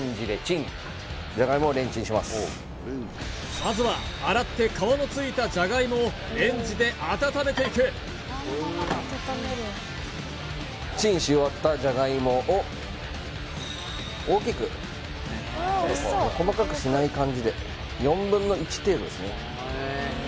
まずは洗って皮のついたじゃがいもをレンジで温めていくチンし終わったじゃがいもを大きく細かくしない感じで４分の１程度ですね